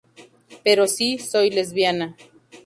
Pero sí, soy lesbiana".